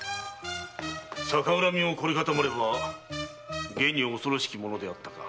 逆恨みも凝り固まればげに恐ろしきものであったか。